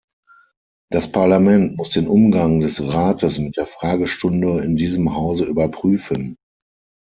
Das Parlament muss den Umgang des Rates mit der Fragestunde in diesem Hause überprüfen.